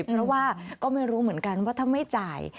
เพราะว่าก็ไม่รู้เหมือนกันว่าถ้าไม่จ่าย